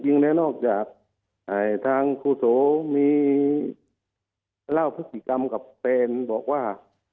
เนี่ยนอกจากไหนทางครูโสมีเล่าภิกรรมกับเฟนบอกว่า